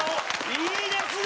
いいですね！